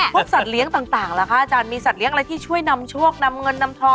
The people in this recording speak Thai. สัตว์เลี้ยงต่างล่ะคะอาจารย์มีสัตว์อะไรที่ช่วยนำโชคนำเงินนำทอง